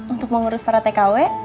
untuk mengurus para tkw